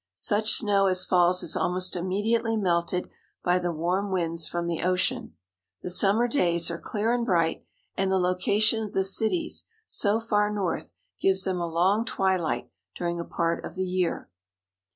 Such snow as falls is almost immediately melted by the warm winds from the ocean. The summer days are clear and bright, and the location of the cities so far north gives them a long twilight during a part of the year.